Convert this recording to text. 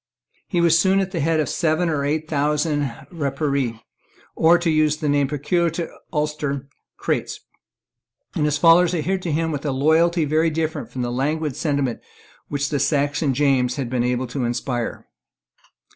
He was soon at the head of seven or eight thousand Rapparees, or, to use the name peculiar to Ulster, Creaghts; and his followers adhered to him with a loyalty very different from the languid sentiment which the Saxon James had been able to inspire.